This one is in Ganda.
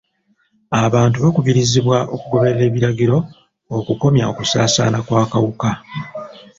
Abantu bakubirizibwa okugoberera ebiragiro okukomya okusaasaana kw'akawuka.